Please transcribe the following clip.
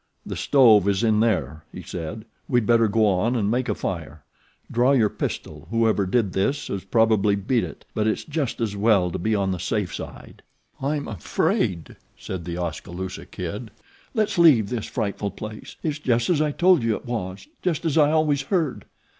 "The stove is in there," he said. "We'd better go on and make a fire. Draw your pistol whoever did this has probably beat it; but it's just as well to be on the safe side." "I'm afraid," said The Oskaloosa Kid. "Let's leave this frightful place. It's just as I told you it was; just as I always heard."